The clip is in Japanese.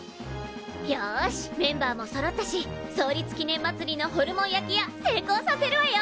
よしメンバーもそろったし創立記念まつりのホルモン焼き屋成功させるわよ！